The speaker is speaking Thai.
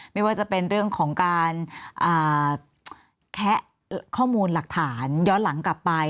ไม่ว่าจะเป็นเรื่องของการแคะข้อมูลหลักฐานย้อนหลังกลับไป